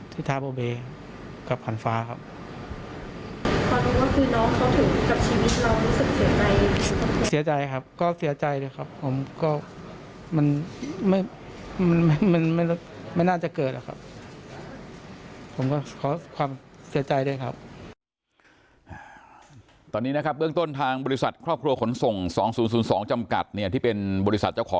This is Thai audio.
ที่ทาโบเบกับหันฟ้าครับคือน้องเขาถือกับชีวิตเรารู้สึกเสียใจ